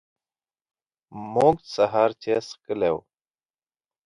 موږ سهار چای څښلی و.